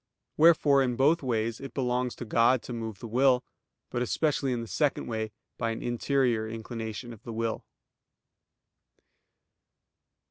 Wherefore in both ways it belongs to God to move the will; but especially in the second way by an interior inclination of the will.